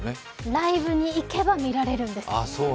ライブに行けば見られるんですよ。